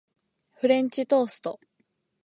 フレンチトースト